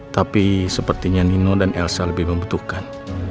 tapi sepertinya nino dan elsa lebih membutuhkan